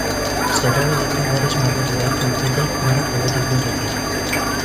Zebrabide hura berriz margotu beharko lukete marrak hobeto ikus daitezen.